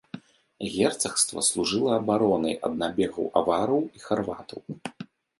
Герцагства служыла абаронай ад набегаў авараў і харватаў.